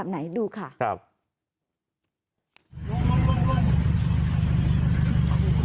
โอ้ไปหาไปให้